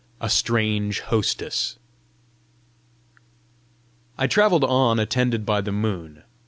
A STRANGE HOSTESS I travelled on attended by the moon.